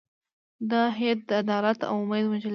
دا هیئت د عدالت او امید مجلې دی.